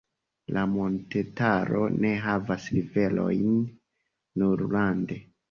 La montetaro ne havas riverojn, nur rande.